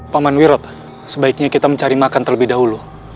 paman wirot sebaiknya kita mencari makan terlebih dahulu